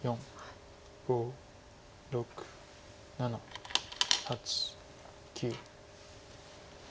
５６７８９。